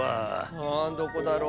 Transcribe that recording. あどこだろう？